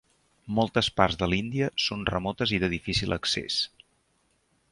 Moltes parts de l'Índia són remotes i de difícil accés.